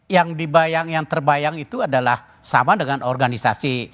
yang terbayang itu adalah sama dengan organisasi